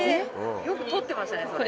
よく撮ってましたねそれ。